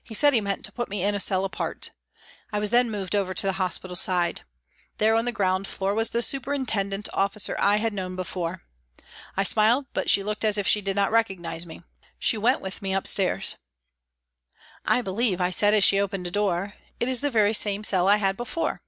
He said he meant to put me in a cell apart. I was then moved over to the hospital side. There on the ground floor was the superintendent officer I had known before. I smiled, but she looked as if she did not recognise me. She went with me 330 PRISONS AND PRISONERS upstairs. " I believe," I said, as she opened a door, " it is the very same cell I had before."